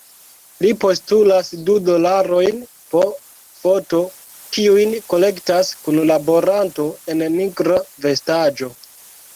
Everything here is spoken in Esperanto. Li postulas du dolarojn po foto, kiujn kolektas kunlaboranto en nigra vestaĵo.